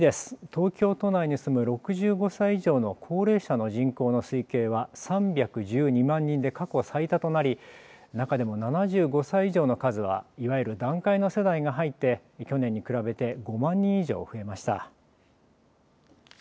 東京都内に住む６５歳以上の高齢者の人口の推計は３１２万人で過去最多となり、中でも７５歳以上の数はいわゆる団塊の世代が入って去年に比べて５万人以上増えました。